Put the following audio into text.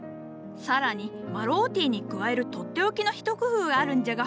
さらにマロウティーに加える取って置きの一工夫があるんじゃが。